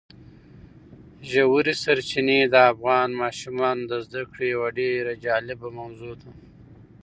ژورې سرچینې د افغان ماشومانو د زده کړې یوه ډېره جالبه موضوع ده.